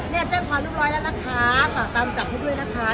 เนี่ยแจ้งความเรียบร้อยแล้วนะคะฝากตามจับให้ด้วยนะคะ